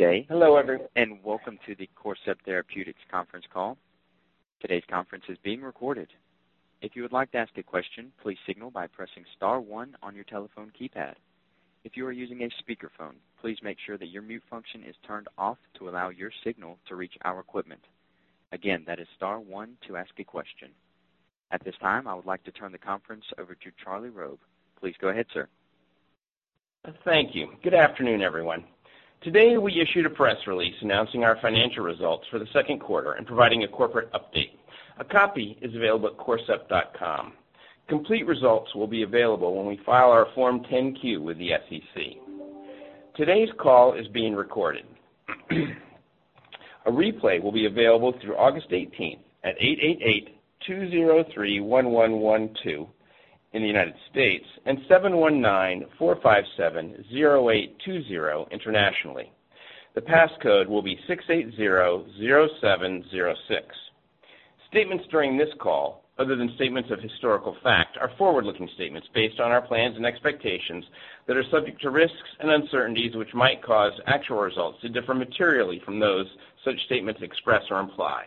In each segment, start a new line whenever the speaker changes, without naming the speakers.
Good day.
Hello, everyone.
Welcome to the Corcept Therapeutics conference call. Today's conference is being recorded. If you would like to ask a question, please signal by pressing star one on your telephone keypad. If you are using a speakerphone, please make sure that your mute function is turned off to allow your signal to reach our equipment. Again, that is star one to ask a question. At this time, I would like to turn the conference over to Charlie Robb. Please go ahead, sir.
Thank you. Good afternoon, everyone. Today, we issued a press release announcing our financial results for the second quarter and providing a corporate update. A copy is available at corcept.com. Complete results will be available when we file our Form 10-Q with the SEC. Today's call is being recorded. A replay will be available through August 18th at 888-203-1112 in the United States and 719-457-0820 internationally. The pass code will be 6800706. Statements during this call, other than statements of historical fact, are forward-looking statements based on our plans and expectations that are subject to risks and uncertainties which might cause actual results to differ materially from those such statements express or imply.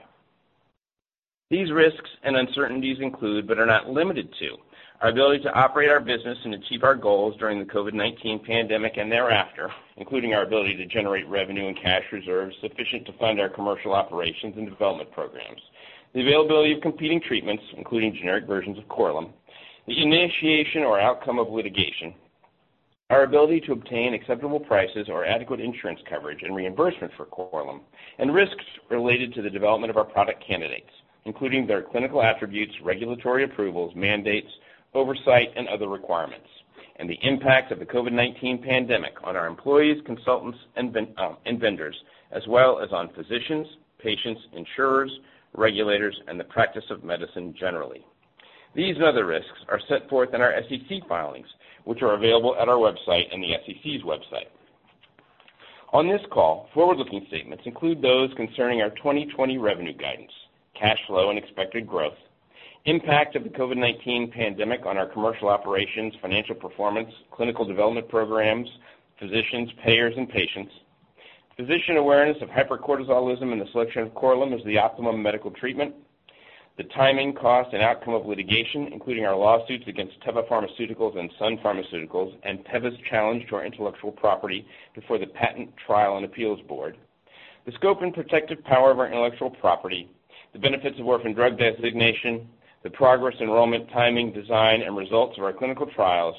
These risks and uncertainties include, but are not limited to, our ability to operate our business and achieve our goals during the COVID-19 pandemic and thereafter, including our ability to generate revenue and cash reserves sufficient to fund our commercial operations and development programs, the availability of competing treatments, including generic versions of Korlym, the initiation or outcome of litigation, our ability to obtain acceptable prices or adequate insurance coverage and reimbursement for Korlym, and risks related to the development of our product candidates, including their clinical attributes, regulatory approvals, mandates, oversight, and other requirements, and the impact of the COVID-19 pandemic on our employees, consultants, and vendors, as well as on physicians, patients, insurers, regulators, and the practice of medicine generally. These and other risks are set forth in our SEC filings, which are available at our website and the SEC's website. On this call, forward-looking statements include those concerning our 2020 revenue guidance, cash flow and expected growth, impact of the COVID-19 pandemic on our commercial operations, financial performance, clinical development programs, physicians, payers, and patients; physician awareness of hypercortisolism and the selection of Korlym as the optimum medical treatment; the timing, cost, and outcome of litigation, including our lawsuits against Teva Pharmaceuticals and Sun Pharmaceuticals and Teva's challenge to our intellectual property before the Patent Trial and Appeal Board; the scope and protective power of our intellectual property; the benefits of orphan drug designation; the progress, enrollment, timing, design, and results of our clinical trials;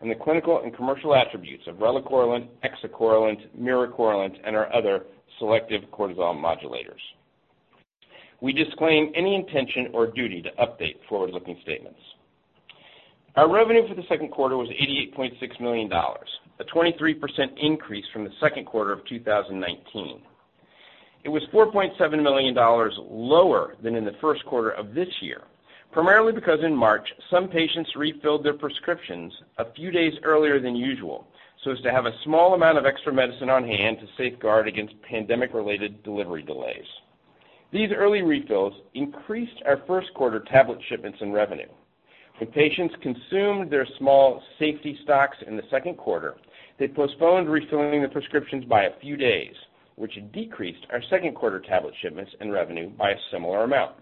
and the clinical and commercial attributes of relacorilant, exicorilant, miricorilant, and our other selective cortisol modulators. We disclaim any intention or duty to update forward-looking statements. Our revenue for the second quarter was $88.6 million, a 23% increase from the second quarter of 2019. It was $4.7 million lower than in the first quarter of this year, primarily because in March, some patients refilled their prescriptions a few days earlier than usual so as to have a small amount of extra medicine on hand to safeguard against pandemic-related delivery delays. These early refills increased our first quarter tablet shipments and revenue. When patients consumed their small safety stocks in the second quarter, they postponed refilling the prescriptions by a few days, which decreased our second quarter tablet shipments and revenue by a similar amount.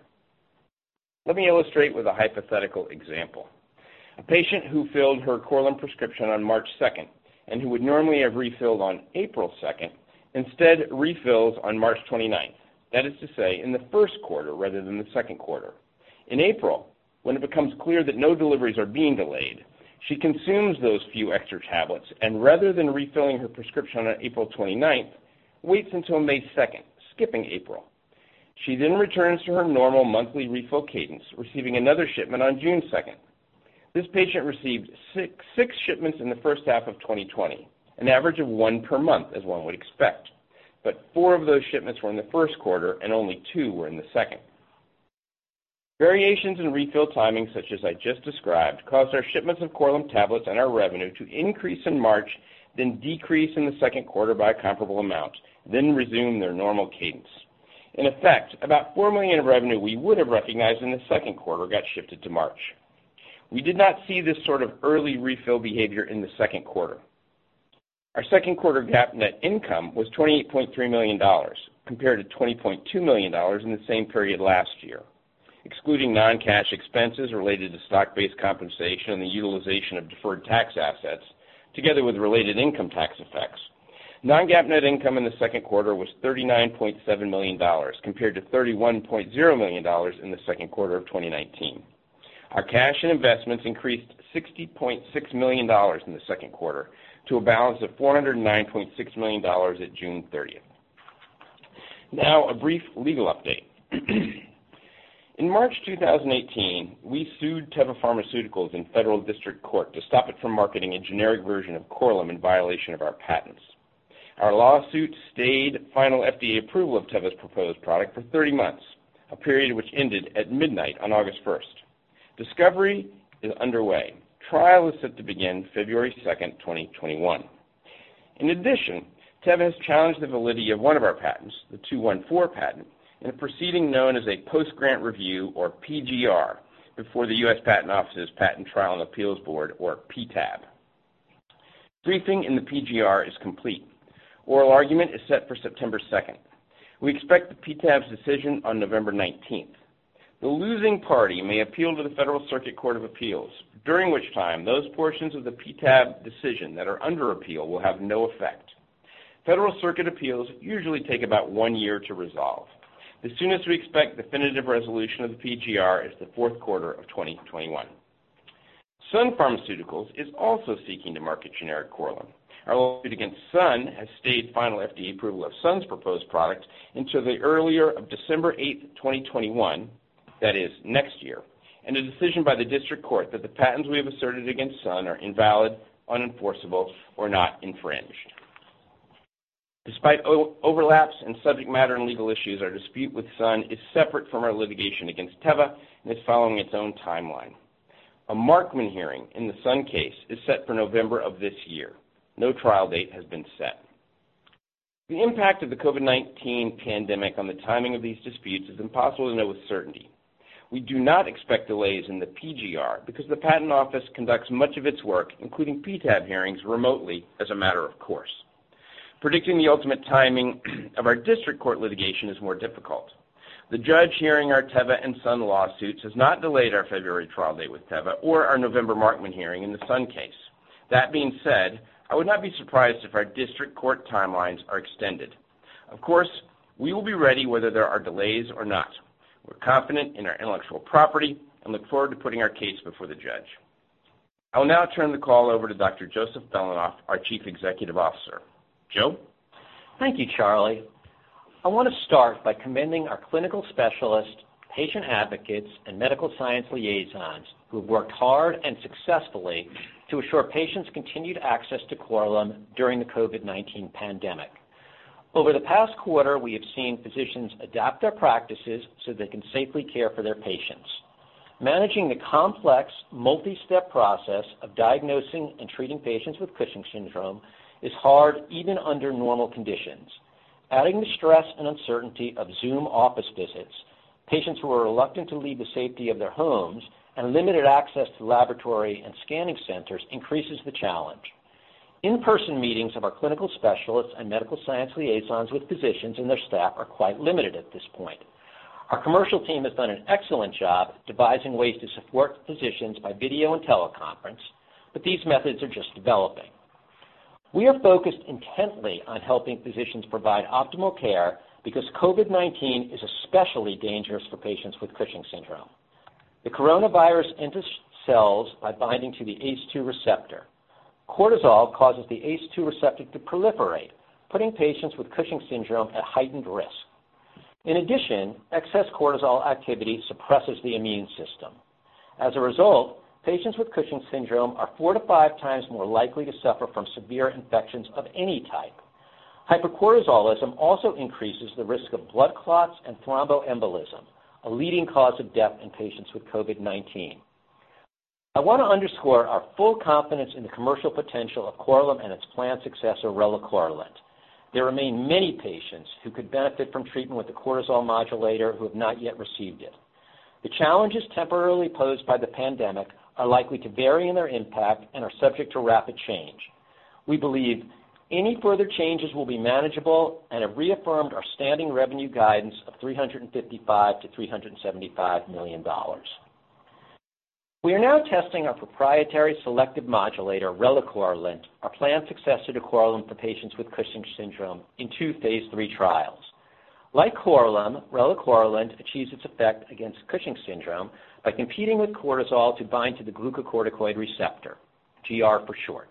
Let me illustrate with a hypothetical example. A patient who filled her Korlym prescription on March 2nd and who would normally have refilled on April 2nd instead refills on March 29th. That is to say, in the first quarter rather than the second quarter. In April, when it becomes clear that no deliveries are being delayed, she consumes those few extra tablets and rather than refilling her prescription on April 29th, waits until May 2nd, skipping April. She then returns to her normal monthly refill cadence, receiving another shipment on June 2nd. This patient received six shipments in the first half of 2020, an average of one per month, as one would expect, but four of those shipments were in the first quarter and only two were in the second. Variations in refill timing, such as I just described, caused our shipments of Korlym tablets and our revenue to increase in March, then decrease in the second quarter by a comparable amount, then resume their normal cadence. In effect, about $4 million of revenue we would have recognized in the second quarter got shifted to March. We did not see this sort of early refill behavior in the second quarter. Our second quarter GAAP net income was $28.3 million, compared to $20.2 million in the same period last year. Excluding non-cash expenses related to stock-based compensation and the utilization of deferred tax assets, together with related income tax effects, non-GAAP net income in the second quarter was $39.7 million, compared to $31.0 million in the second quarter of 2019. Our cash and investments increased $60.6 million in the second quarter to a balance of $409.6 million at June 30th. A brief legal update. In March 2018, we sued Teva Pharmaceuticals in federal district court to stop it from marketing a generic version of Korlym in violation of our patents. Our lawsuit stayed final FDA approval of Teva's proposed product for 30 months, a period which ended at midnight on August 1st. Discovery is underway. Trial is set to begin February 2, 2021. In addition, Teva has challenged the validity of one of our patents, the '214 patent, in a proceeding known as a post-grant review or PGR before the U.S. Patent Office's Patent Trial and Appeal Board, or PTAB. Briefing in the PGR is complete. Oral argument is set for September 2. We expect the PTAB's decision on November 19. The losing party may appeal to the Federal Circuit Court of Appeals, during which time those portions of the PTAB decision that are under appeal will have no effect. Federal Circuit appeals usually take about one year to resolve. The soonest we expect definitive resolution of the PGR is the fourth quarter of 2021. Sun Pharmaceuticals is also seeking to market generic Korlym. Our lawsuit against Sun has stayed final FDA approval of Sun's proposed product until the earlier of December 8, 2021, that is next year, and a decision by the district court that the patents we have asserted against Sun are invalid, unenforceable, or not infringed. Despite overlaps in subject matter and legal issues, our dispute with Sun is separate from our litigation against Teva and is following its own timeline. A Markman hearing in the Sun case is set for November of this year. No trial date has been set. The impact of the COVID-19 pandemic on the timing of these disputes is impossible to know with certainty. We do not expect delays in the PGR because the Patent Office conducts much of its work, including PTAB hearings, remotely as a matter of course. Predicting the ultimate timing of our district court litigation is more difficult. The judge hearing our Teva and Sun lawsuits has not delayed our February trial date with Teva or our November Markman hearing in the Sun case. That being said, I would not be surprised if our district court timelines are extended. Of course, we will be ready whether there are delays or not. We're confident in our intellectual property and look forward to putting our case before the judge. I will now turn the call over to Dr. Joseph Belanoff, our Chief Executive Officer. Joe?
Thank you, Charlie. I want to start by commending our clinical specialists, patient advocates, and medical science liaisons who have worked hard and successfully to assure patients' continued access to Korlym during the COVID-19 pandemic. Over the past quarter, we have seen physicians adapt their practices so they can safely care for their patients. Managing the complex, multi-step process of diagnosing and treating patients with Cushing's syndrome is hard, even under normal conditions. Adding the stress and uncertainty of Zoom office visits, patients who are reluctant to leave the safety of their homes, and limited access to laboratory and scanning centers increases the challenge. In-person meetings of our clinical specialists and medical science liaisons with physicians and their staff are quite limited at this point. Our commercial team has done an excellent job devising ways to support physicians by video and teleconference, but these methods are just developing. We are focused intently on helping physicians provide optimal care because COVID-19 is especially dangerous for patients with Cushing's syndrome. The coronavirus enters cells by binding to the ACE2 receptor. Cortisol causes the ACE2 receptor to proliferate, putting patients with Cushing's syndrome at heightened risk. Excess cortisol activity suppresses the immune system. Patients with Cushing's syndrome are four to five times more likely to suffer from severe infections of any type. Hypercortisolism also increases the risk of blood clots and thromboembolism, a leading cause of death in patients with COVID-19. I want to underscore our full confidence in the commercial potential of Korlym and its planned successor, relacorilant. There remain many patients who could benefit from treatment with a cortisol modulator who have not yet received it. The challenges temporarily posed by the pandemic are likely to vary in their impact and are subject to rapid change. We believe any further changes will be manageable and have reaffirmed our standing revenue guidance of $355 million-$375 million. We are now testing our proprietary selective modulator, relacorilant, our planned successor to Korlym for patients with Cushing's syndrome, in two phase III trials. Like Korlym, relacorilant achieves its effect against Cushing's syndrome by competing with cortisol to bind to the glucocorticoid receptor, GR for short.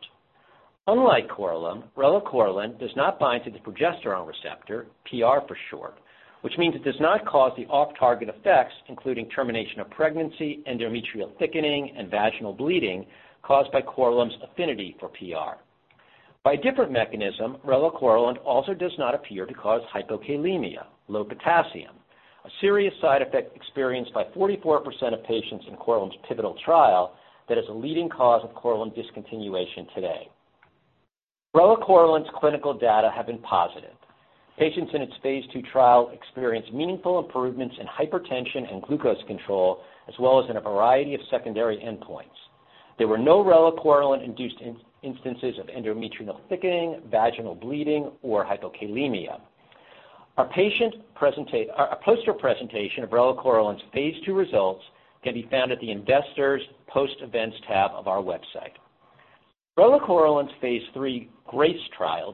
Unlike Korlym, relacorilant does not bind to the progesterone receptor, PR for short, which means it does not cause the off-target effects, including termination of pregnancy, endometrial thickening, and vaginal bleeding caused by Korlym's affinity for PR. By a different mechanism, relacorilant also does not appear to cause hypokalemia, low potassium, a serious side effect experienced by 44% of patients in Korlym's pivotal trial that is a leading cause of Korlym discontinuation today. relacorilant's clinical data have been positive. Patients in its phase II trial experienced meaningful improvements in hypertension and glucose control, as well as in a variety of secondary endpoints. There were no relacorilant-induced instances of endometrial thickening, vaginal bleeding, or hypokalemia. A poster presentation of relacorilant's phase II results can be found at the Investors Post Events tab of our website. relacorilant's phase III GRACE trial,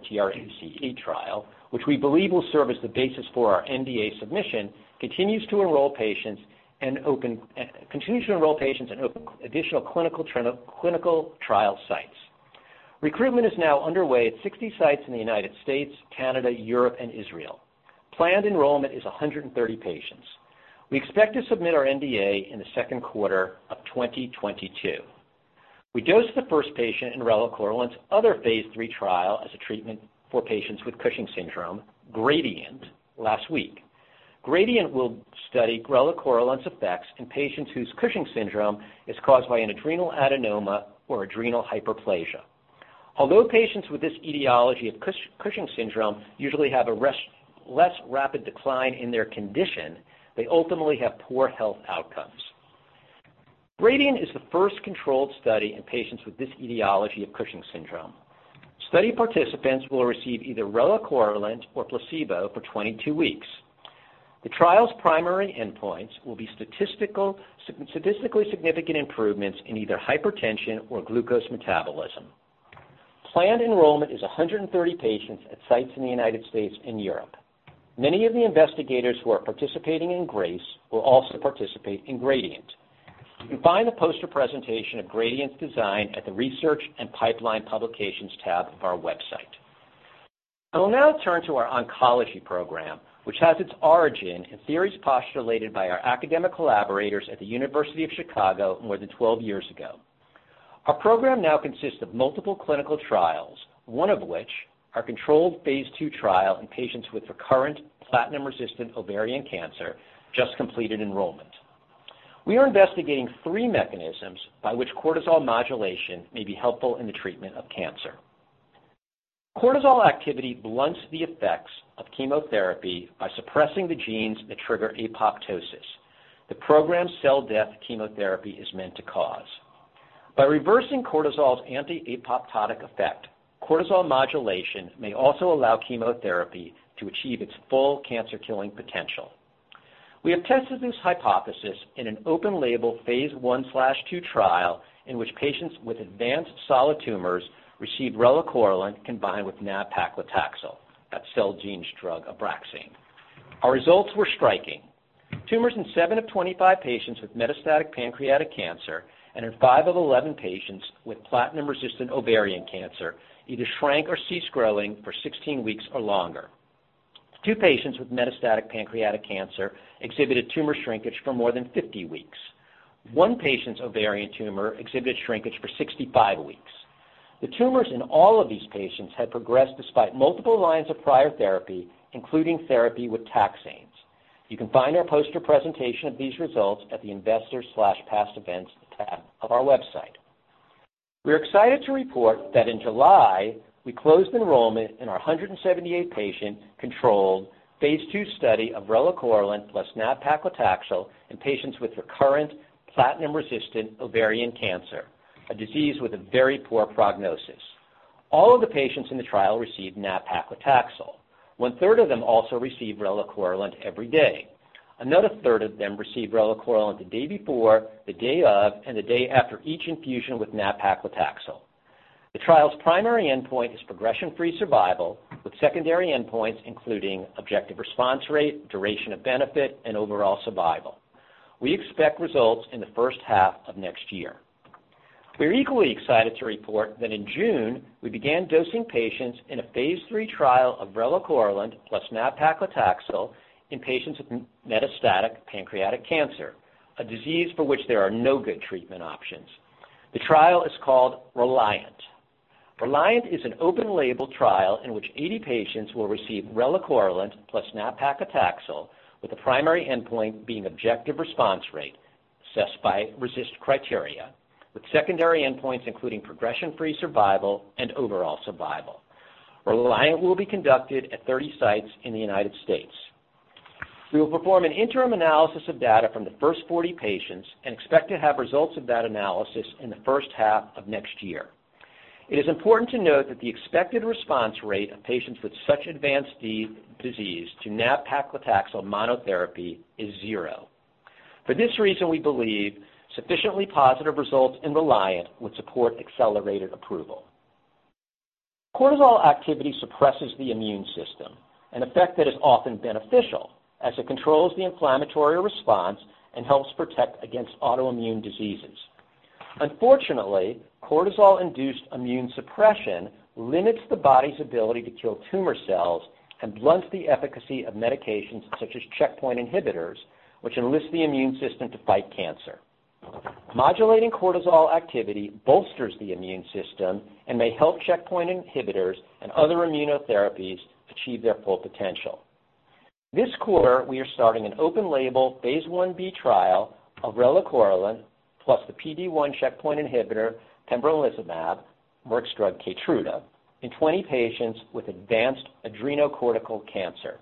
which we believe will serve as the basis for our NDA submission, continues to enroll patients and open additional clinical trial sites. Recruitment is now underway at 60 sites in the U.S., Canada, Europe, and Israel. Planned enrollment is 130 patients. We expect to submit our NDA in the second quarter of 2022. We dosed the first patient in relacorilant's other phase III trial as a treatment for patients with Cushing's syndrome, GRADIENT, last week. GRADIENT will study relacorilant's effects in patients whose Cushing's syndrome is caused by an adrenal adenoma or adrenal hyperplasia. Although patients with this etiology of Cushing's syndrome usually have a less rapid decline in their condition, they ultimately have poor health outcomes. GRADIENT is the first controlled study in patients with this etiology of Cushing's syndrome. Study participants will receive either relacorilant or placebo for 22 weeks. The trial's primary endpoints will be statistically significant improvements in either hypertension or glucose metabolism. Planned enrollment is 130 patients at sites in the U.S. and Europe. Many of the investigators who are participating in GRACE will also participate in GRADIENT. You can find the poster presentation of GRADIENT's design at the Research & Pipeline Publications tab of our website. I will now turn to our oncology program, which has its origin in theories postulated by our academic collaborators at the University of Chicago more than 12 years ago. Our program now consists of multiple clinical trials, one of which, our controlled phase II trial in patients with recurrent platinum-resistant ovarian cancer, just completed enrollment. We are investigating three mechanisms by which cortisol modulation may be helpful in the treatment of cancer. Cortisol activity blunts the effects of chemotherapy by suppressing the genes that trigger apoptosis, the programmed cell death chemotherapy is meant to cause. By reversing cortisol's anti-apoptotic effect, cortisol modulation may also allow chemotherapy to achieve its full cancer-killing potential. We have tested this hypothesis in an open-label phase I/II trial in which patients with advanced solid tumors received relacorilant combined with nab-paclitaxel, that's Celgene's drug ABRAXANE. Our results were striking. Tumors in 25 patients with metastatic pancreatic cancer and in 11 patients with platinum-resistant ovarian cancer either shrank or ceased growing for 16 weeks or longer. Two patients with metastatic pancreatic cancer exhibited tumor shrinkage for more than 50 weeks. One patient's ovarian tumor exhibited shrinkage for 65 weeks. The tumors in all of these patients had progressed despite multiple lines of prior therapy, including therapy with taxanes. You can find our poster presentation of these results at the Investors/Past Events tab of our website, corcept.com. We're excited to report that in July, we closed enrollment in our 178-patient controlled phase II study of relacorilant plus nab-paclitaxel in patients with recurrent platinum-resistant ovarian cancer, a disease with a very poor prognosis. All of the patients in the trial received nab-paclitaxel. One-third of them also received relacorilant every day. Another third of them received relacorilant the day before, the day of, and the day after each infusion with nab-paclitaxel. The trial's primary endpoint is progression-free survival, with secondary endpoints including objective response rate, duration of benefit, and overall survival. We expect results in the first half of next year. We are equally excited to report that in June, we began dosing patients in a phase III trial of relacorilant plus nab-paclitaxel in patients with metastatic pancreatic cancer, a disease for which there are no good treatment options. The trial is called RELIANT. RELIANT is an open-label trial in which 80 patients will receive relacorilant plus nab-paclitaxel, with the primary endpoint being objective response rate assessed by RECIST criteria, with secondary endpoints including progression-free survival and overall survival. RELIANT will be conducted at 30 sites in the U.S. We will perform an interim analysis of data from the first 40 patients and expect to have results of that analysis in the first half of next year. It is important to note that the expected response rate of patients with such advanced disease to nab-paclitaxel monotherapy is zero. For this reason, we believe sufficiently positive results in RELIANT would support accelerated approval. Cortisol activity suppresses the immune system, an effect that is often beneficial as it controls the inflammatory response and helps protect against autoimmune diseases. Unfortunately, cortisol-induced immune suppression limits the body's ability to kill tumor cells and blunts the efficacy of medications such as checkpoint inhibitors, which enlist the immune system to fight cancer. Modulating cortisol activity bolsters the immune system and may help checkpoint inhibitors and other immunotherapies achieve their full potential. This quarter, we are starting an open-label phase I-B trial of relacorilant plus the PD-1 checkpoint inhibitor pembrolizumab, Merck's drug KEYTRUDA, in 20 patients with advanced adrenocortical cancer.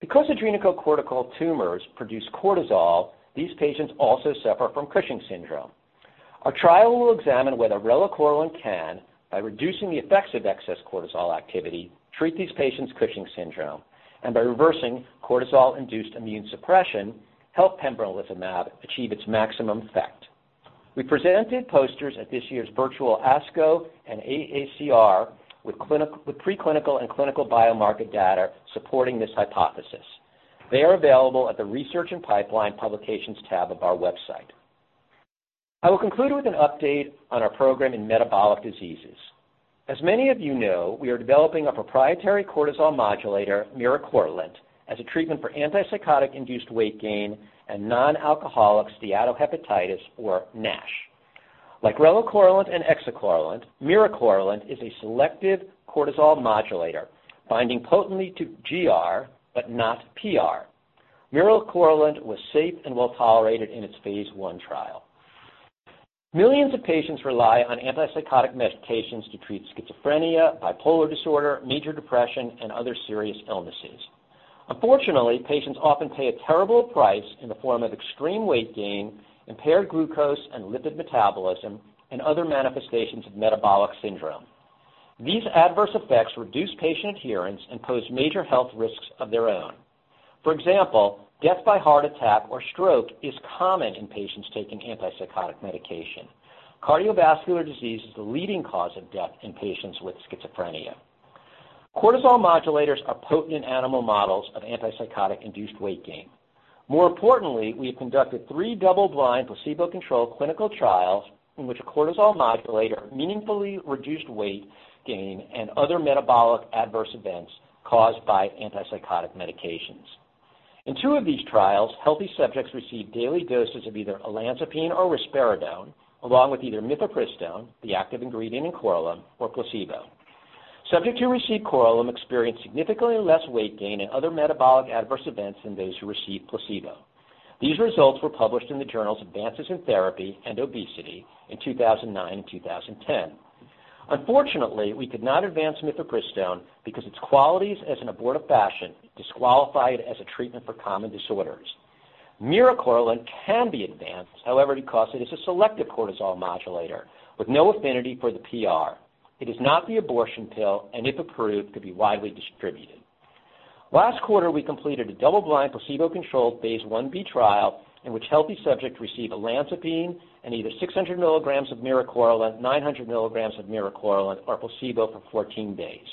Because adrenocortical tumors produce cortisol, these patients also suffer from Cushing's syndrome. Our trial will examine whether relacorilant can, by reducing the effects of excess cortisol activity, treat these patients' Cushing's syndrome, and by reversing cortisol-induced immune suppression, help pembrolizumab achieve its maximum effect. We presented posters at this year's virtual ASCO and AACR with preclinical and clinical biomarker data supporting this hypothesis. They are available at the Research & Pipeline Publications tab of our website. I will conclude with an update on our program in metabolic diseases. As many of you know, we are developing a proprietary cortisol modulator, miricorilant, as a treatment for antipsychotic-induced weight gain and non-alcoholic steatohepatitis, or NASH. Like relacorilant and exicorilant, miricorilant is a selective cortisol modulator, binding potently to GR but not PR. Miricorilant was safe and well-tolerated in its phase I trial. Millions of patients rely on antipsychotic medications to treat schizophrenia, bipolar disorder, major depression, and other serious illnesses. Unfortunately, patients often pay a terrible price in the form of extreme weight gain, impaired glucose and lipid metabolism, and other manifestations of metabolic syndrome. These adverse effects reduce patient adherence and pose major health risks of their own. For example, death by heart attack or stroke is common in patients taking antipsychotic medication. Cardiovascular disease is the leading cause of death in patients with schizophrenia. Cortisol modulators are potent in animal models of antipsychotic-induced weight gain. More importantly, we have conducted three double-blind, placebo-controlled clinical trials in which a cortisol modulator meaningfully reduced weight gain and other metabolic adverse events caused by antipsychotic medications. In two of these trials, healthy subjects received daily doses of either olanzapine or risperidone, along with either mifepristone, the active ingredient in Korlym, or placebo. Subjects who received Korlym experienced significantly less weight gain and other metabolic adverse events than those who received placebo. These results were published in the journals "Advances in Therapy" and "Obesity" in 2009 and 2010. Unfortunately, we could not advance mifepristone because its qualities as an abortifacient disqualify it as a treatment for common disorders. miricorilant can be advanced; however, because it is a selective cortisol modulator with no affinity for the PR. It is not the abortion pill, and if approved, could be widely distributed. Last quarter, we completed a double-blind, placebo-controlled phase I-B trial in which healthy subjects received olanzapine and either 600 mg of miricorilant, 900 mg of miricorilant, or placebo for 14 days.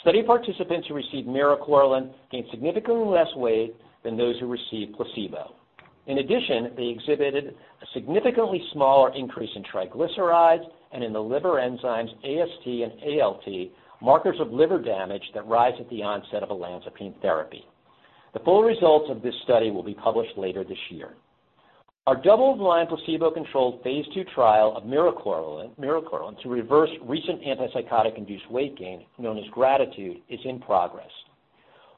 Study participants who received miricorilant gained significantly less weight than those who received placebo. In addition, they exhibited a significantly smaller increase in triglycerides and in the liver enzymes AST and ALT, markers of liver damage that rise at the onset of olanzapine therapy. The full results of this study will be published later this year. Our double-blind, placebo-controlled phase II trial of miricorilant to reverse recent antipsychotic-induced weight gain, known as GRATITUDE, is in progress.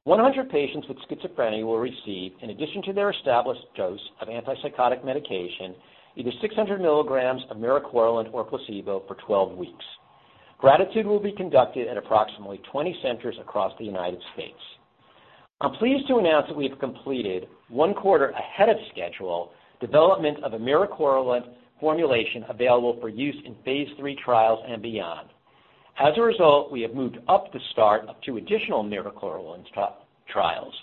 100 patients with schizophrenia will receive, in addition to their established dose of antipsychotic medication, either 600 mg of miricorilant or placebo for 12 weeks. GRATITUDE will be conducted at approximately 20 centers across the U.S. I'm pleased to announce that we have completed, one quarter ahead of schedule, development of a miricorilant formulation available for use in phase III trials and beyond. As a result, we have moved up the start of two additional miricorilant trials.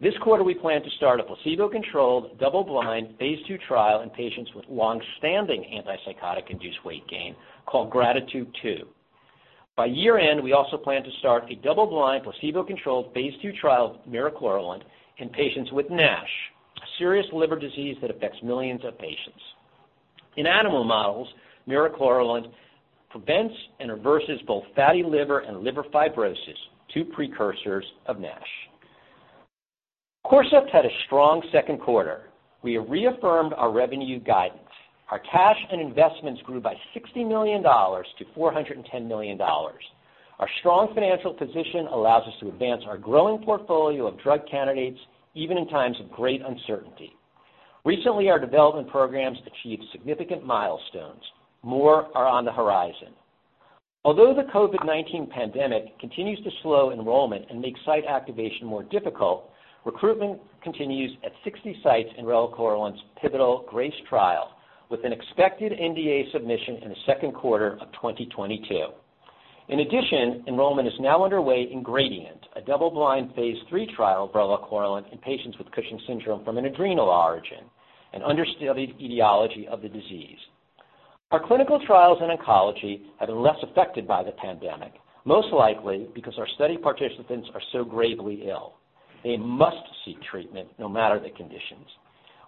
This quarter, we plan to start a placebo-controlled, double-blind, phase II trial in patients with longstanding antipsychotic-induced weight gain called GRATITUDE II. By year-end, we also plan to start a double-blind, placebo-controlled phase II trial of miricorilant in patients with NASH, a serious liver disease that affects millions of patients. In animal models, miricorilant prevents and reverses both fatty liver and liver fibrosis, two precursors of NASH. Corcept had a strong second quarter. We have reaffirmed our revenue guidance. Our cash and investments grew by $60 million to $410 million. Our strong financial position allows us to advance our growing portfolio of drug candidates even in times of great uncertainty. Recently, our development programs achieved significant milestones. More are on the horizon. Although the COVID-19 pandemic continues to slow enrollment and make site activation more difficult, recruitment continues at 60 sites in relacorilant's pivotal GRACE trial, with an expected NDA submission in the second quarter of 2022. In addition, enrollment is now underway in GRADIENT, a double-blind phase III trial of relacorilant in patients with Cushing's syndrome from an adrenal origin, an understudied etiology of the disease. Our clinical trials in oncology have been less affected by the pandemic, most likely because our study participants are so gravely ill. They must seek treatment no matter the conditions.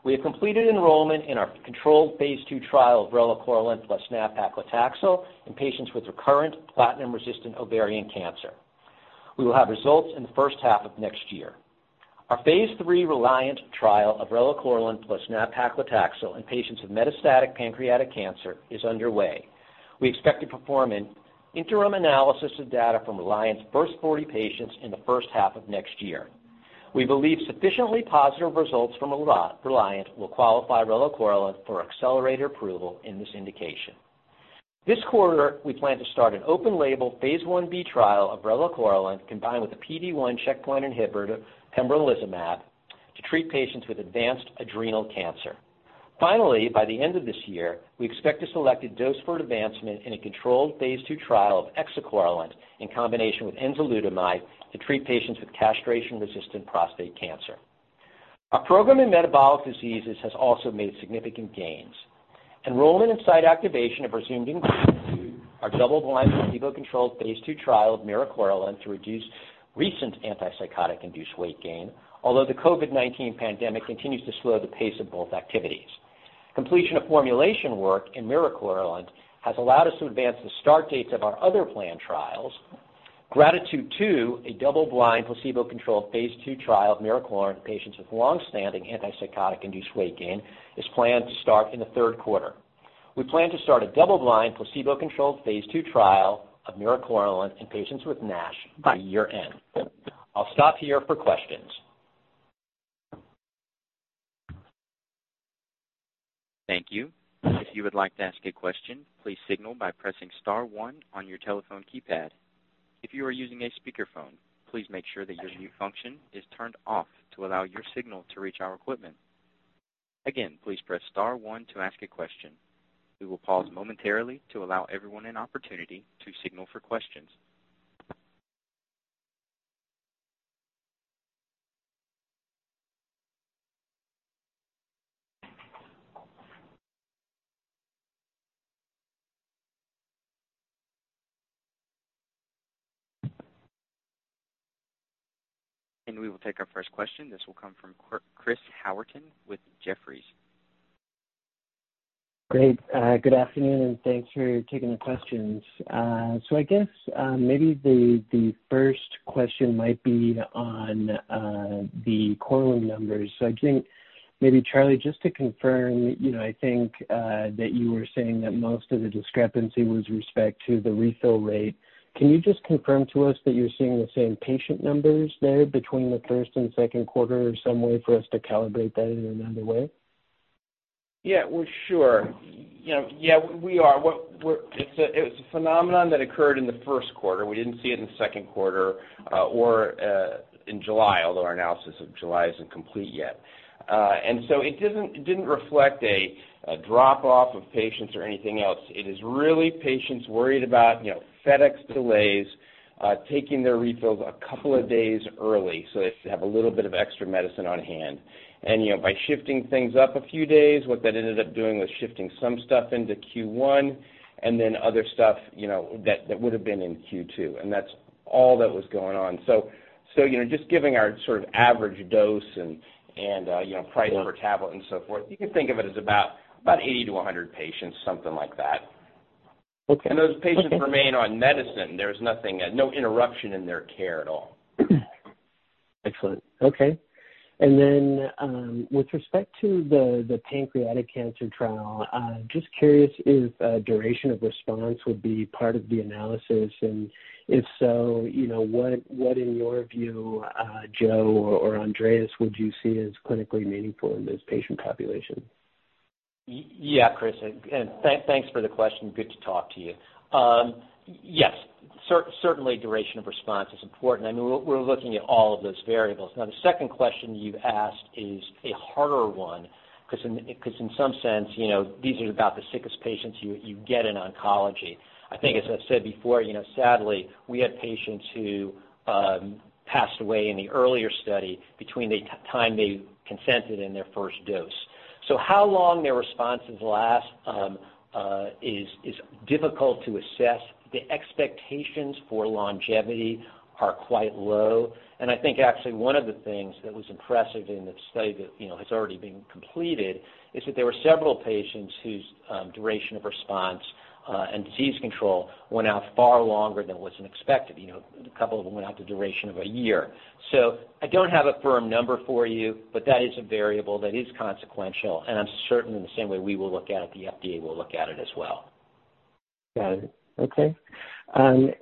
We have completed enrollment in our controlled phase II trial of relacorilant plus nab-paclitaxel in patients with recurrent platinum-resistant ovarian cancer. We will have results in the first half of next year. Our phase III RELIANT trial of relacorilant plus nab-paclitaxel in patients with metastatic pancreatic cancer is underway. We expect to perform an interim analysis of data from RELIANT's first 40 patients in the first half of next year. We believe sufficiently positive results from RELIANT will qualify relacorilant for accelerated approval in this indication. This quarter, we plan to start an open-label phase I-B trial of relacorilant combined with the PD-1 checkpoint inhibitor pembrolizumab to treat patients with advanced adrenal cancer. By the end of this year, we expect to select a dose for advancement in a controlled phase II trial of exicorilant in combination with enzalutamide to treat patients with castration-resistant prostate cancer. Our program in metabolic diseases has also made significant gains. Enrollment and site activation have resumed in GRATITUDE, our double-blind, placebo-controlled phase II trial of miricorilant to reduce recent antipsychotic-induced weight gain. Although the COVID-19 pandemic continues to slow the pace of both activities. Completion of formulation work in miricorilant has allowed us to advance the start dates of our other planned trials. GRATITUDE II, a double-blind, placebo-controlled phase II trial of miricorilant in patients with longstanding antipsychotic-induced weight gain is planned to start in the third quarter. We plan to start a double-blind, placebo-controlled phase II trial of miricorilant in patients with NASH by year-end. I'll stop here for questions
Thank you. If you would like to ask a question, please signal by pressing star one on your telephone keypad. If you are using a speakerphone, please make sure that your mute function is turned off to allow your signal to reach our equipment. Again, please press star one to ask a question. We will pause momentarily to allow everyone an opportunity to signal for questions. We will take our first question. This will come from Chris Howerton with Jefferies.
Great. Good afternoon, and thanks for taking the questions. I guess, maybe the first question might be on the Korlym numbers. I think maybe, Charlie, just to confirm, I think that you were saying that most of the discrepancy was in respect to the refill rate. Can you just confirm to us that you're seeing the same patient numbers there between the first and second quarter or some way for us to calibrate that in another way?
Yeah, sure. Yeah, we are. It was a phenomenon that occurred in the first quarter. We didn't see it in the second quarter or in July, although our analysis of July isn't complete yet. It didn't reflect a drop-off of patients or anything else. It is really patients worried about FedEx delays, taking their refills a couple of days early, so they have a little bit of extra medicine on hand. By shifting things up a few days, what that ended up doing was shifting some stuff into Q1 and then other stuff that would've been in Q2, and that's all that was going on. Just giving our sort of average dose and price per tablet and so forth, you can think of it as about 80-100 patients, something like that.
Okay.
Those patients remain on medicine. There's no interruption in their care at all.
Excellent. Okay. With respect to the pancreatic cancer trial, just curious if duration of response would be part of the analysis, and if so, what in your view, Joe or Andreas, would you see as clinically meaningful in this patient population?
Chris, and thanks for the question. Good to talk to you. Certainly duration of response is important, and we're looking at all of those variables. The second question you've asked is a harder one because in some sense, these are about the sickest patients you get in oncology. I think, as I've said before, sadly, we had patients who passed away in the earlier study between the time they consented and their first dose. How long their responses last is difficult to assess. The expectations for longevity are quite low, and I think actually one of the things that was impressive in the study that has already been completed is that there were several patients whose duration of response and disease control went out far longer than was expected. A couple of them went out the duration of one year. I don't have a firm number for you, but that is a variable that is consequential, and I'm certain in the same way we will look at it, the FDA will look at it as well.
Got it. Okay. Perhaps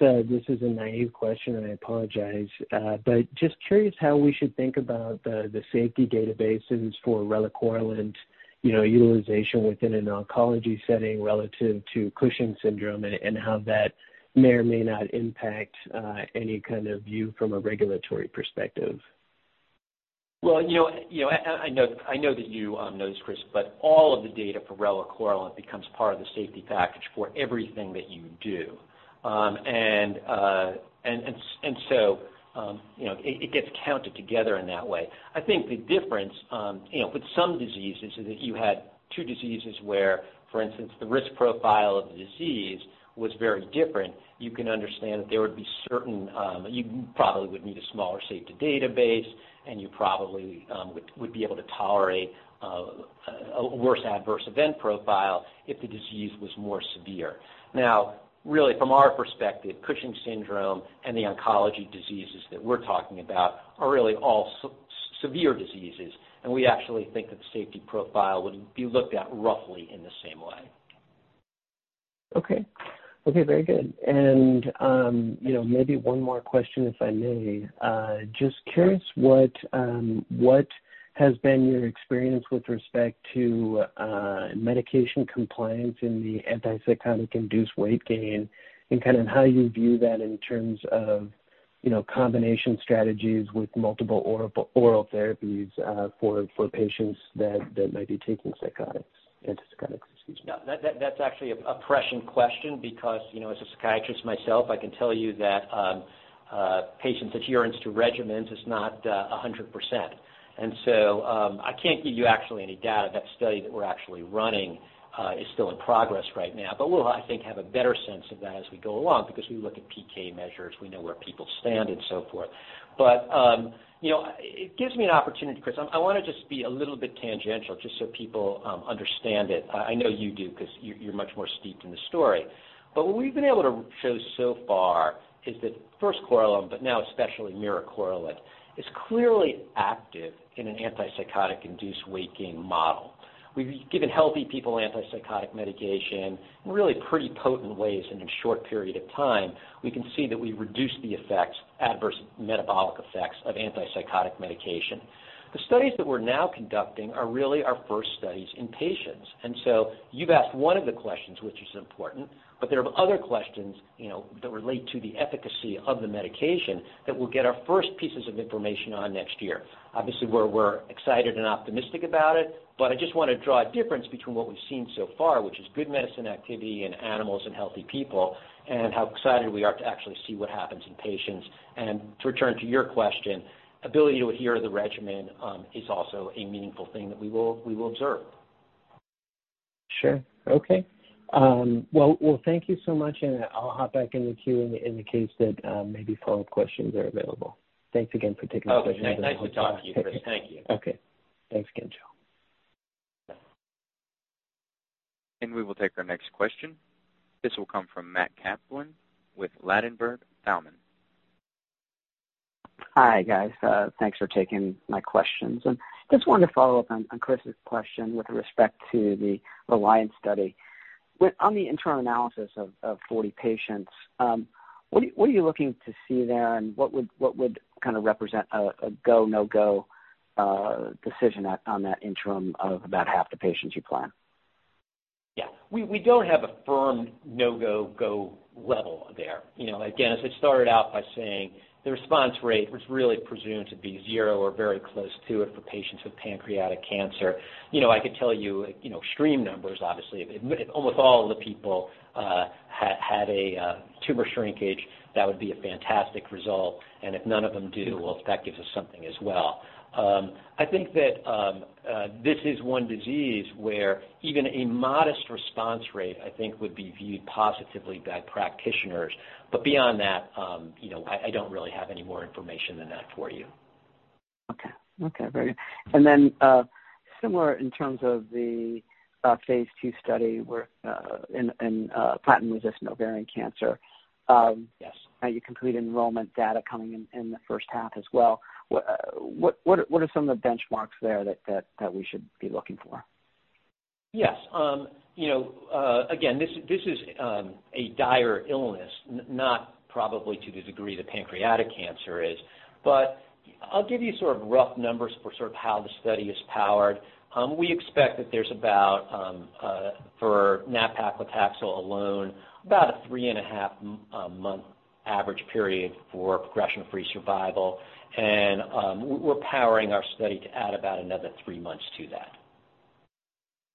this is a naive question, and I apologize, but just curious how we should think about the safety databases for relacorilant utilization within an oncology setting relative to Cushing's syndrome and how that may or may not impact any kind of view from a regulatory perspective?
I know that you know this, Chris, but all of the data for relacorilant becomes part of the safety package for everything that you do. It gets counted together in that way. I think the difference, with some diseases, is if you had two diseases where, for instance, the risk profile of the disease was very different, you can understand that You probably would need a smaller safety database, and you probably would be able to tolerate a worse adverse event profile if the disease was more severe. Really, from our perspective, Cushing's syndrome and the oncology diseases that we're talking about are really all severe diseases, and we actually think that the safety profile would be looked at roughly in the same way.
Okay. Very good. Maybe one more question, if I may. Just curious, what has been your experience with respect to medication compliance in the antipsychotic-induced weight gain and how you view that in terms of combination strategies with multiple oral therapies for patients that might be taking antipsychotics.
That's actually a pressing question because, as a psychiatrist myself, I can tell you that patient adherence to regimens is not 100%. I can't give you actually any data. That study that we're actually running is still in progress right now, but we'll, I think, have a better sense of that as we go along because we look at PK measures. We know where people stand and so forth. It gives me an opportunity, Chris. I want to just be a little bit tangential just so people understand it. I know you do because you're much more steeped in the story. What we've been able to show so far is that first Korlym, but now especially miricorilant, is clearly active in an antipsychotic-induced weight gain model. We've given healthy people antipsychotic medication in really pretty potent ways in a short period of time. We can see that we reduce the adverse metabolic effects of antipsychotic medication. The studies that we're now conducting are really our first studies in patients. You've asked one of the questions, which is important, but there are other questions that relate to the efficacy of the medication that we'll get our first pieces of information on next year. Obviously, we're excited and optimistic about it, but I just want to draw a difference between what we've seen so far, which is good medicine activity in animals and healthy people, and how excited we are to actually see what happens in patients. To return to your question, ability to adhere to the regimen is also a meaningful thing that we will observe.
Sure. Okay. Well, thank you so much. I'll hop back in the queue in the case that maybe follow-up questions are available. Thanks again for taking my questions.
Oh, nice to talk to you, Chris. Thank you.
Okay. Thanks again, Joe.
We will take our next question. This will come from Matt Kaplan with Ladenburg Thalmann.
Hi, guys. Thanks for taking my questions. Just wanted to follow up on Chris's question with respect to the RELIANT study. On the internal analysis of 40 patients, what are you looking to see there, and what would represent a go, no-go decision on that interim of about half the patients you plan?
Yeah. We don't have a firm no-go, go level there. As I started out by saying, the response rate was really presumed to be zero or very close to it for patients with pancreatic cancer. I could tell you extreme numbers, obviously. If almost all of the people had a tumor shrinkage, that would be a fantastic result. If none of them do, well, that gives us something as well. I think that this is one disease where even a modest response rate, I think, would be viewed positively by practitioners. Beyond that, I don't really have any more information than that for you.
Okay. Very good. Then similar in terms of the phase II study in platinum-resistant ovarian cancer.
Yes.
You complete enrollment data coming in the first half as well. What are some of the benchmarks there that we should be looking for?
Yes. Again, this is a dire illness, not probably to the degree that pancreatic cancer is, but I'll give you sort of rough numbers for how the study is powered. We expect that there's about, for nab-paclitaxel alone, about a three-and-a-half month average period for progression free survival. We're powering our study to add about another three months to that.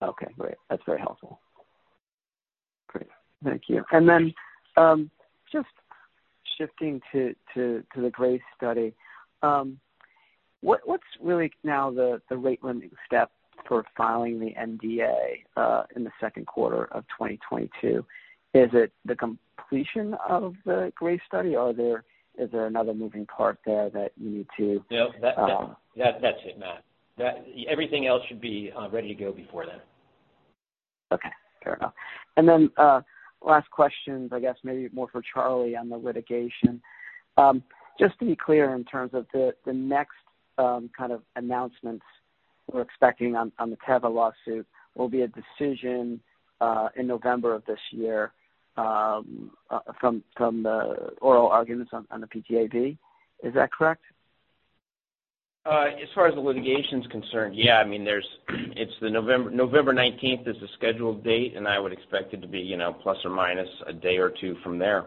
Okay, great. That's very helpful. Great. Thank you. Just shifting to the GRACE study. What's really now the rate limiting step for filing the NDA in the second quarter of 2022? Is it the completion of the GRACE study? Is there another moving part there that you need to-
No, that's it, Matt. Everything else should be ready to go before then.
Okay. Fair enough. Last question, I guess maybe more for Charlie on the litigation. Just to be clear in terms of the next kind of announcements we're expecting on the Teva lawsuit will be a decision in November of this year from the oral arguments on the PTAB. Is that correct?
As far as the litigation's concerned, yeah. November 19th is the scheduled date, and I would expect it to be ± a day or two from there.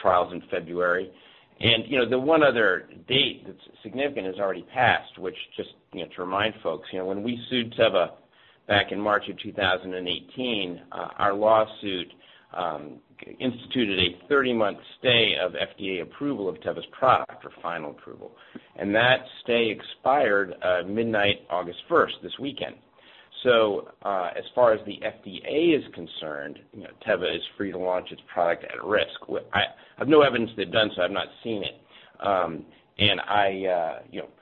Trials in February. The one other date that's significant has already passed, which just to remind folks, when we sued Teva back in March of 2018, our lawsuit instituted a 30-month stay of FDA approval of Teva's product for final approval. That stay expired midnight August 1st, this weekend. As far as the FDA is concerned, Teva is free to launch its product at risk. I have no evidence they've done so. I've not seen it.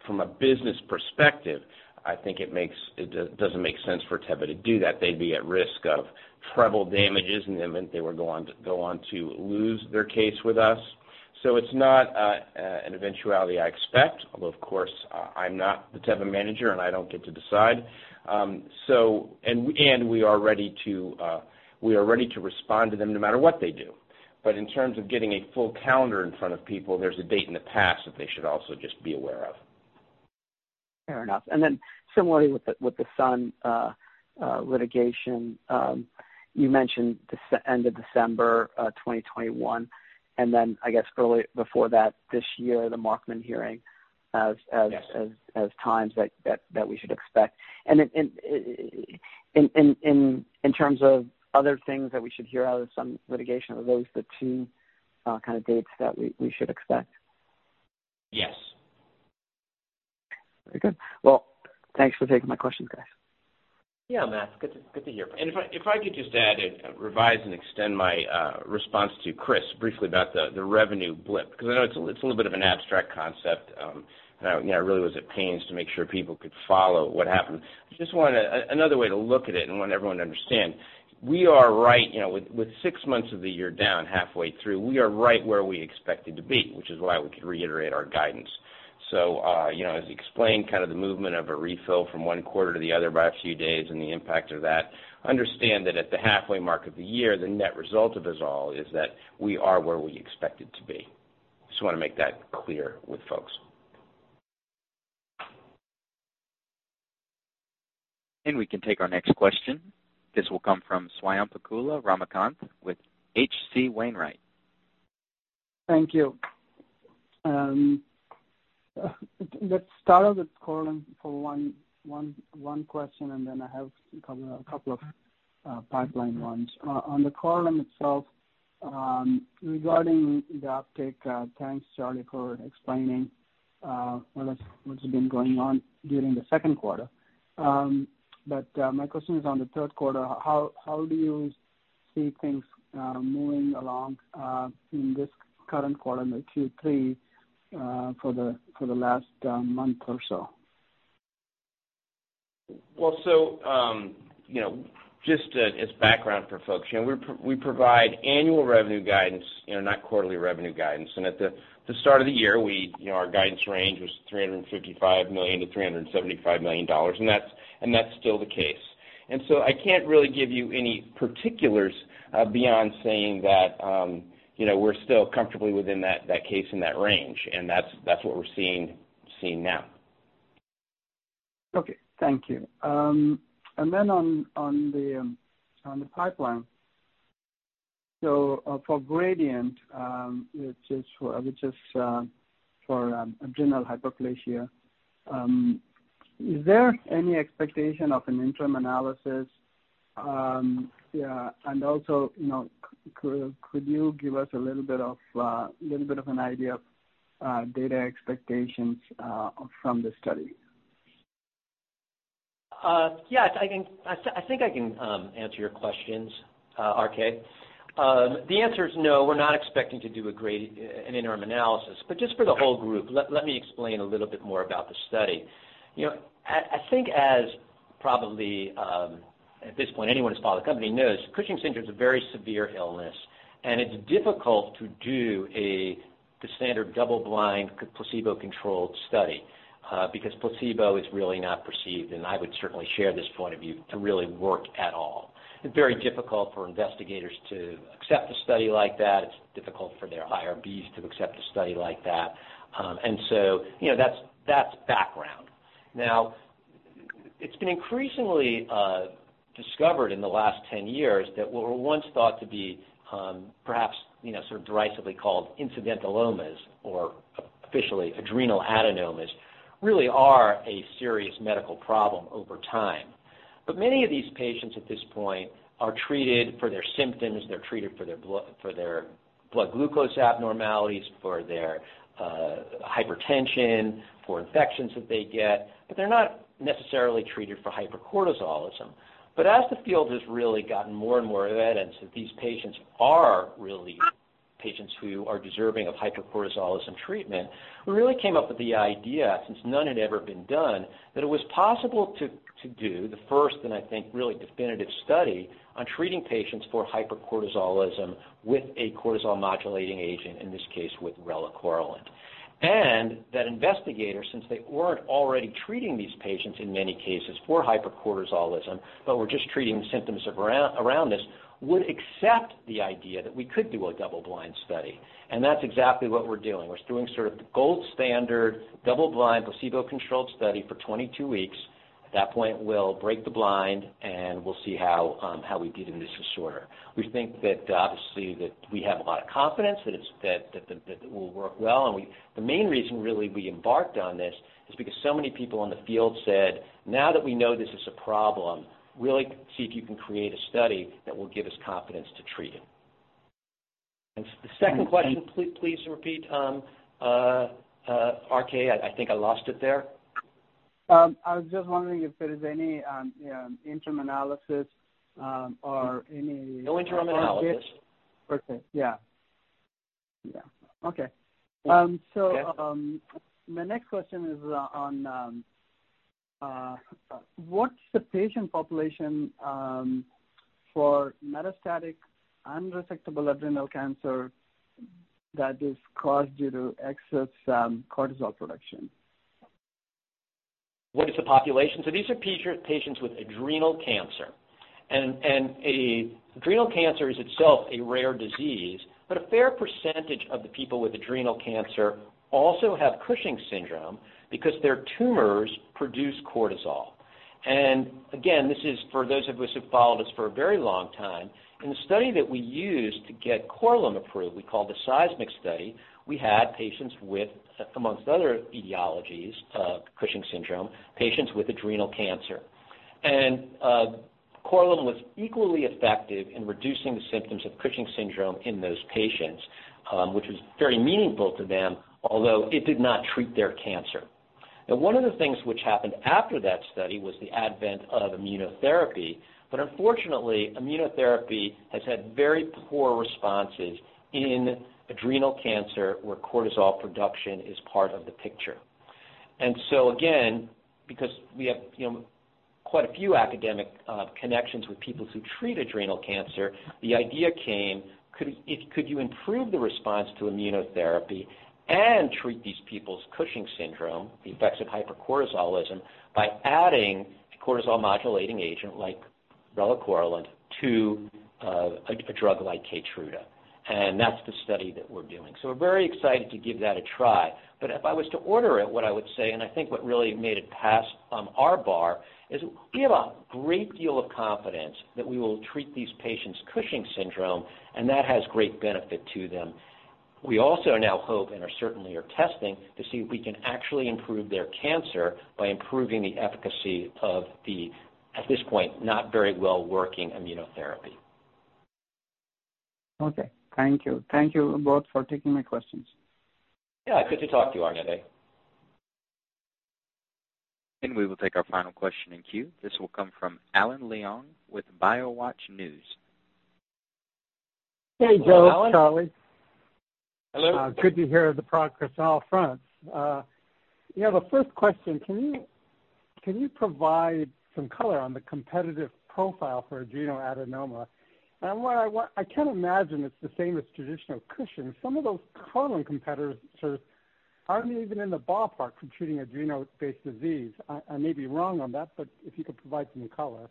From a business perspective, I think it doesn't make sense for Teva to do that. They'd be at risk of treble damages in the event they were to go on to lose their case with us. It's not an eventuality I expect, although, of course, I'm not the Teva manager, and I don't get to decide. We are ready to respond to them no matter what they do. In terms of getting a full calendar in front of people, there's a date in the past that they should also just be aware of.
Fair enough. Similarly with the Sun litigation, you mentioned end of December 2021. I guess early before that this year, the Markman hearing.
Yes
times that we should expect. In terms of other things that we should hear out of some litigation, are those the two kind of dates that we should expect?
Yes.
Very good. Well, thanks for taking my questions, guys.
Yeah, Matt. Good to hear. If I could just add, revise, and extend my response to Chris briefly about the revenue blip, because I know it's a little bit of an abstract concept, and I really was at pains to make sure people could follow what happened. Another way to look at it and want everyone to understand, with six months of the year down, halfway through, we are right where we expected to be, which is why we could reiterate our guidance. As he explained, kind of the movement of a refill from one quarter to the other by a few days and the impact of that, understand that at the halfway mark of the year, the net result of this all is that we are where we expected to be. Just want to make that clear with folks.
We can take our next question. This will come from Swayampakula Ramakanth with H.C. Wainwright.
Thank you. Let's start out with Korlym for one question, and then I have a couple of pipeline ones. On the Korlym itself, regarding the uptake, thanks, Charlie, for explaining what's been going on during the second quarter. My question is on the third quarter, how do you see things moving along in this current quarter, in the Q3, for the last month or so?
Just as background for folks, we provide annual revenue guidance, not quarterly revenue guidance. At the start of the year, our guidance range was $355 million-$375 million, and that's still the case. I can't really give you any particulars beyond saying that we're still comfortably within that case and that range, and that's what we're seeing now.
Okay. Thank you. On the pipeline. For GRADIENT, which is for adrenal hyperplasia, is there any expectation of an interim analysis? Also, could you give us a little bit of an idea of data expectations from the study?
I think I can answer your questions, RK. The answer is no, we're not expecting to do an interim analysis. Just for the whole group, let me explain a little bit more about the study. I think as probably at this point anyone who's followed the company knows, Cushing's syndrome is a very severe illness, and it's difficult to do the standard double-blind, placebo-controlled study, because placebo is really not perceived, and I would certainly share this point of view, to really work at all. It's very difficult for investigators to accept a study like that. It's difficult for their IRBs to accept a study like that. That's background. Now, it's been increasingly discovered in the last 10 years that what were once thought to be perhaps derisively called incidentalomas, or officially adrenal adenomas, really are a serious medical problem over time. Many of these patients at this point are treated for their symptoms. They're treated for their blood glucose abnormalities, for their hypertension, for infections that they get, but they're not necessarily treated for hypercortisolism. As the field has really gotten more and more evidence that these patients are really patients who are deserving of hypercortisolism treatment, we really came up with the idea, since none had ever been done, that it was possible to do the first and I think really definitive study on treating patients for hypercortisolism with a cortisol-modulating agent, in this case, with relacorilant. That investigators, since they weren't already treating these patients in many cases for hypercortisolism, but were just treating symptoms around this, would accept the idea that we could do a double-blind study. That's exactly what we're doing. We're doing sort of the gold standard double-blind, placebo-controlled study for 22 weeks. At that point, we'll break the blind, we'll see how we did in this disorder. We think that obviously that we have a lot of confidence that it will work well. The main reason, really, we embarked on this is because so many people in the field said, "Now that we know this is a problem, really see if you can create a study that will give us confidence to treat it." The second question, please repeat, RK. I think I lost it there.
I was just wondering if there is any interim analysis or any-
No interim analysis.
Okay. Yeah. Okay.
Okay.
My next question is: what's the patient population for metastatic unresectable adrenal cancer that is caused due to excess cortisol production?
What is the population? These are patients with adrenal cancer. Adrenal cancer is itself a rare disease, but a fair percentage of the people with adrenal cancer also have Cushing syndrome because their tumors produce cortisol. Again, this is for those of us who've followed us for a very long time. In the study that we used to get Korlym approved, we call the SEISMIC study, we had patients with, amongst other etiologies, Cushing syndrome, patients with adrenal cancer. Korlym was equally effective in reducing the symptoms of Cushing syndrome in those patients, which was very meaningful to them, although it did not treat their cancer. One of the things which happened after that study was the advent of immunotherapy. Unfortunately, immunotherapy has had very poor responses in adrenal cancer where cortisol production is part of the picture. Again, because we have quite a few academic connections with people who treat adrenal cancer, the idea came, could you improve the response to immunotherapy and treat these people's Cushing's syndrome, the effects of hypercortisolism, by adding a cortisol-modulating agent like Korlym, relacorilant, to a drug like KEYTRUDA, and that's the study that we're doing. We're very excited to give that a try. If I was to order it, what I would say, and I think what really made it pass our bar, is we have a great deal of confidence that we will treat these patients' Cushing's syndrome, and that has great benefit to them. We also now hope, and are certainly are testing, to see if we can actually improve their cancer by improving the efficacy of the, at this point, not very well-working immunotherapy.
Okay. Thank you. Thank you both for taking my questions.
Yeah. Good to talk to you, RK.
We will take our final question in queue. This will come from Alan Leong with BioWatch News.
Hey, Joe, Charlie.
Hello, Alan.
Good to hear the progress on all fronts. The first question, can you provide some color on the competitive profile for adrenal adenoma? I can't imagine it's the same as traditional Cushing's. Some of those current competitors aren't even in the ballpark for treating adrenal-based disease. I may be wrong on that, but if you could provide some color.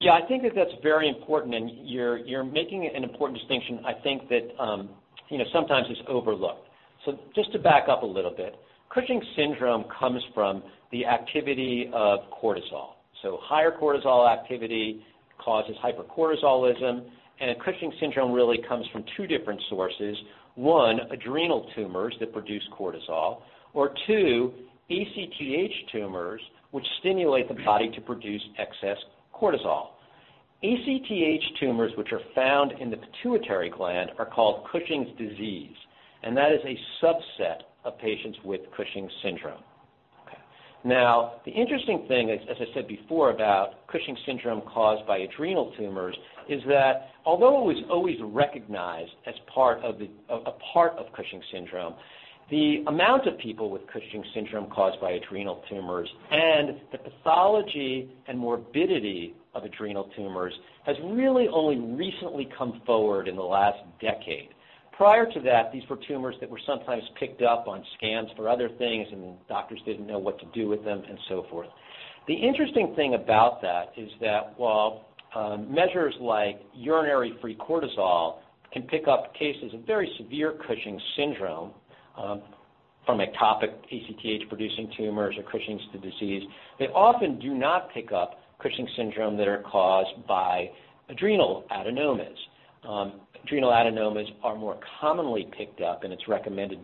Yeah, I think that that's very important, and you're making an important distinction I think that sometimes is overlooked. Just to back up a little bit, Cushing's syndrome comes from the activity of cortisol. Higher cortisol activity causes hypercortisolism, and Cushing's syndrome really comes from two different sources. One, adrenal tumors that produce cortisol, or two, ACTH tumors, which stimulate the body to produce excess cortisol. ACTH tumors, which are found in the pituitary gland, are called Cushing's disease, and that is a subset of patients with Cushing's syndrome. Okay. Now, the interesting thing, as I said before, about Cushing's syndrome caused by adrenal tumors is that although it was always recognized as a part of Cushing's syndrome, the amount of people with Cushing's syndrome caused by adrenal tumors and the pathology and morbidity of adrenal tumors has really only recently come forward in the last decade. Prior to that, these were tumors that were sometimes picked up on scans for other things, and doctors didn't know what to do with them, and so forth. The interesting thing about that is that while measures like urinary free cortisol can pick up cases of very severe Cushing's syndrome from ectopic ACTH-producing tumors or Cushing's disease, they often do not pick up Cushing's syndrome that are caused by adrenal adenomas. Adrenal adenomas are more commonly picked up, and it's recommended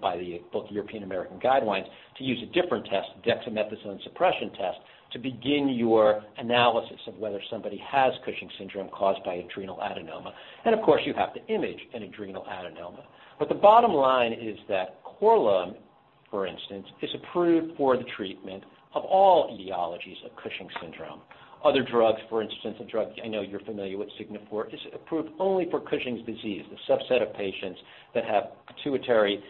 by both European and American guidelines to use a different test, dexamethasone suppression test, to begin your analysis of whether somebody has Cushing's syndrome caused by adrenal adenoma. Of course, you have to image an adrenal adenoma. The bottom line is that Korlym, for instance, is approved for the treatment of all etiologies of Cushing's syndrome. Other drugs, for instance, a drug I know you're familiar with, SIGNIFOR, is approved only for Cushing's disease, the subset of patients that have pituitary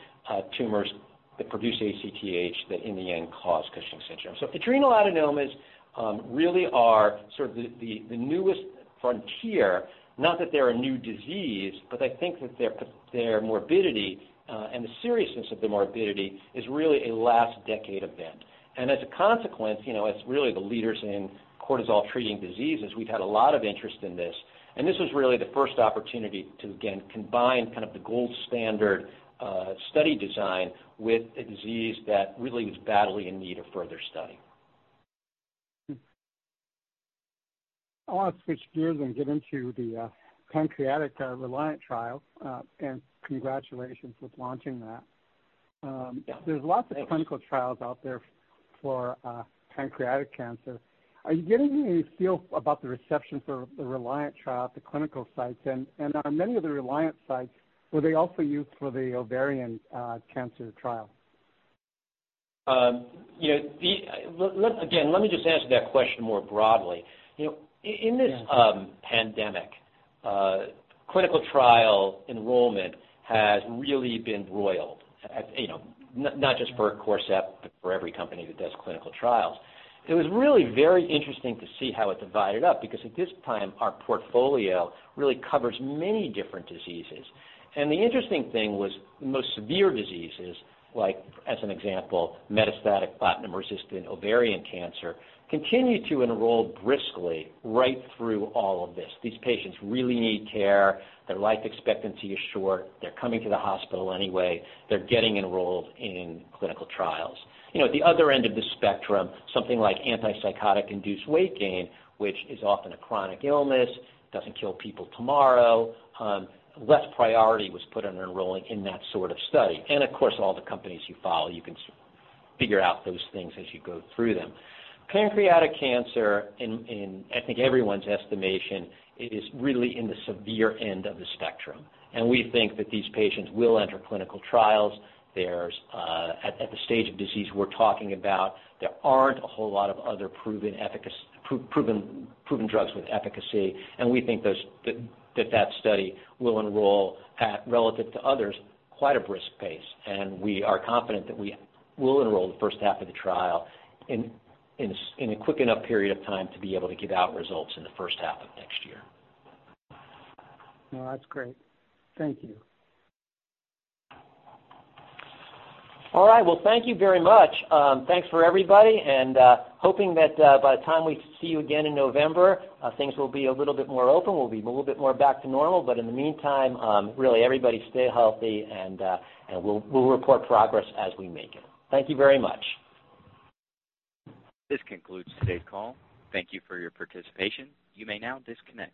tumors that produce ACTH, that in the end, cause Cushing's syndrome. Adrenal adenomas really are sort of the newest frontier, not that they're a new disease, but I think that their morbidity, and the seriousness of the morbidity, is really a last decade event. As a consequence, as really the leaders in cortisol-treating diseases, we've had a lot of interest in this. This was really the first opportunity to, again, combine kind of the gold standard study design with a disease that really is badly in need of further study.
I want to switch gears and get into the pancreatic RELIANT trial, and congratulations with launching that.
Yeah. Thanks.
There's lots of clinical trials out there for pancreatic cancer. Are you getting any feel about the reception for the RELIANT trial at the clinical sites, and are many of the RELIANT sites, were they also used for the ovarian cancer trial?
Let me just answer that question more broadly.
Yeah.
In this pandemic, clinical trial enrollment has really been roiled. Not just for Corcept, but for every company that does clinical trials. It was really very interesting to see how it divided up because at this time, our portfolio really covers many different diseases. The interesting thing was most severe diseases, like as an example, metastatic platinum-resistant ovarian cancer, continue to enroll briskly right through all of this. These patients really need care. Their life expectancy is short. They're coming to the hospital anyway. They're getting enrolled in clinical trials. At the other end of the spectrum, something like antipsychotic-induced weight gain, which is often a chronic illness, doesn't kill people tomorrow, less priority was put on enrolling in that sort of study. Of course, all the companies you follow, you can figure out those things as you go through them. Pancreatic cancer, in I think everyone's estimation, is really in the severe end of the spectrum. We think that these patients will enter clinical trials. At the stage of disease we're talking about, there aren't a whole lot of other proven drugs with efficacy. We think that that study will enroll at, relative to others, quite a brisk pace. We are confident that we will enroll the first half of the trial in a quick enough period of time to be able to give out results in the first half of next year.
No, that's great. Thank you.
All right. Well, thank you very much. Thanks for everybody, hoping that by the time we see you again in November, things will be a little bit more open, we'll be a little bit more back to normal. In the meantime, really everybody stay healthy, and we'll report progress as we make it. Thank you very much.
This concludes today's call. Thank you for your participation. You may now disconnect.